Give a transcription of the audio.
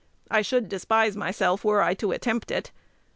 I should despise myself were I to attempt it.